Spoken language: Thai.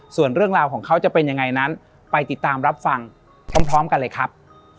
ส่วนเรื่องราวของเขาจะเป็นยังไงนั้นไปติดตามรับฟังพร้อมกันเลยครับ